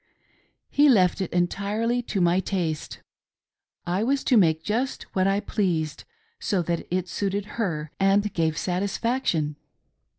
He left it entirely to my taste ; I was to make just what I pleased, so that it suited her and gave satisfaction.